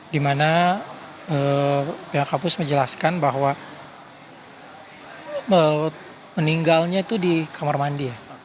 dimana pihak kampus menjelaskan bahwa meninggalnya itu di kamar mandi ya